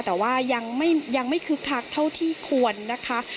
แต่ว่ายังไม่คึกคักเท่าที่ควรนะคะ